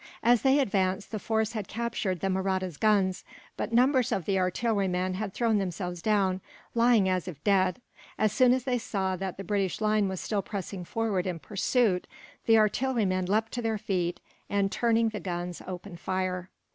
As they advanced, the force had captured the Mahrattas' guns; but numbers of the artillerymen had thrown themselves down, lying as if dead. As soon as they saw that the British line was still pressing forward in pursuit, the artillerymen leapt to their feet and, turning the guns, opened fire.